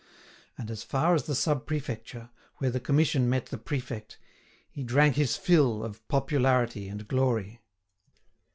And, as far as the Sub Prefecture, where the commission met the prefect, he drank his fill of popularity and glory.